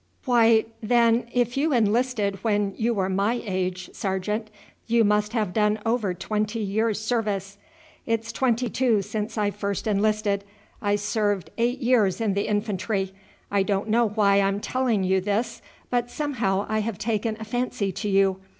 "Why, then, if you enlisted when you were my age, sergeant, you must have done over twenty years' service." "It's twenty two since I first enlisted. I served eight years in the infantry. I don't know why I am telling you this, but somehow I have taken a fancy to you.